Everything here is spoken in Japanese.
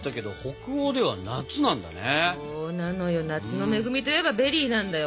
そうなのよ夏の恵みといえばベリーなんだよ